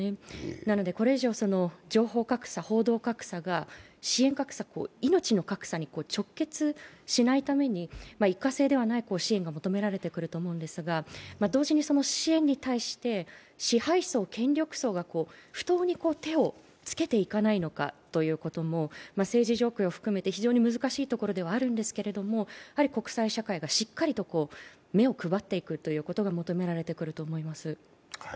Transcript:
なのでこれ以上、情報格差報道格差が支援格差、命の格差に直結しないために一過性ではない支援が求められ特ると思うんですが同時にその支援に対して支配層、権力層が不当に手をつけていかないのかということも政治状況を含めて非常に難しい状況ではあるんですが国際社会がしっかりと目を配っていくということが求められていくと思います。